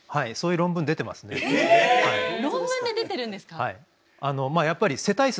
論文で出てるんですか？